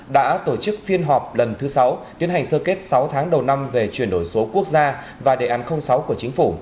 đã tổ chức phiên họp lần thứ sáu tiến hành sơ kết sáu tháng đầu năm về chuyển đổi số quốc gia và đề án sáu của chính phủ